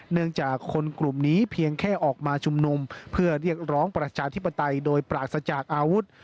จากคนกลุ่มนี้เพียงแค่ออกมาชุมนุมเพื่อเรียกร้องประชาธิปไตยโดยปราศจากอาวุธ